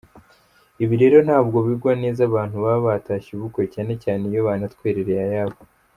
Ibi rero ntabwo bigwa neza abantu baba batashye ubukwe, cyane cyane iyo banatwerereye ayabo.